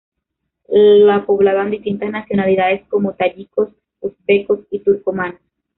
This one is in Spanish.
La poblaban distintas nacionalidades, como tayikos, uzbekos y turcomanos.